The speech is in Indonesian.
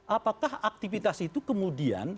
apakah aktivitas itu kemudian